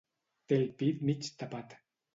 Té el pit mig tapat.